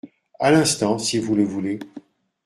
À l’instant, si vous le voulez.